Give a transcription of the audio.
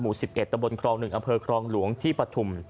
๑๑ตะบนครอง๑อำเภอครองหลวงที่ปฐุม